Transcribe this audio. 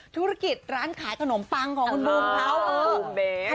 ธุรกิจร้านขายขนมปังของคุณบูมเขาบูมเบส